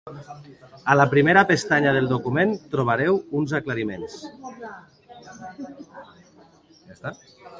A la primera pestanya del document trobareu uns aclariments.